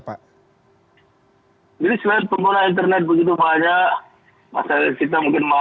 jadi selain pengguna internet begitu banyak